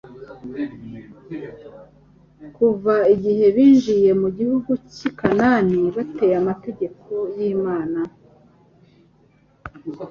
Kuva igihe binjiye mu gihugu cy'i Kanani bataye amategeko y'Imana,